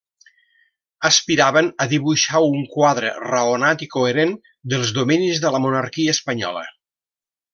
Aspiraven a dibuixar un quadre raonat i coherent dels dominis de la monarquia espanyola.